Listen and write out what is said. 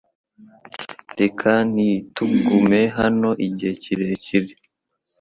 Reka ntitugume hano igihe kirekire .